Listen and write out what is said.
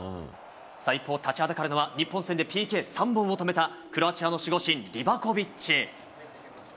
一方、立ちはだかるのは、日本戦でＰＫ３本を止めたクロアチアの守護神、リバコビッチ。